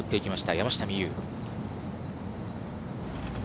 山下美夢有。